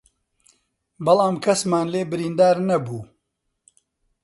بەڵام کەسمان لێ بریندار نەبوو